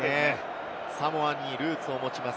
サモアにルーツを持ちます。